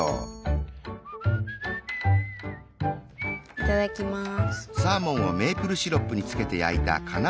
いただきます。